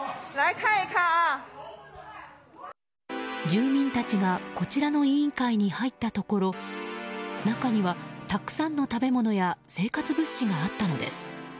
住民たちがこちらの委員会に入ったところ中には、たくさんの食べ物や生活物資があったのです。